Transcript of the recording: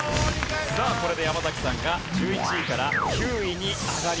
さあこれで山崎さんが１１位から９位に上がります。